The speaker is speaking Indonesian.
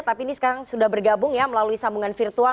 tapi ini sekarang sudah bergabung ya melalui sambungan virtual